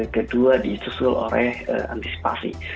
kedua ditusul oleh antisipasi